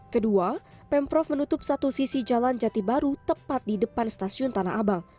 kedua pemprov menutup satu sisi jalan jati baru tepat di depan stasiun tanah abang